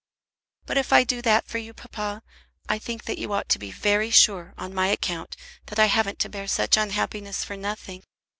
"But if I do that for you, papa, I think that you ought to be very sure, on my account, that I haven't to bear such unhappiness for nothing.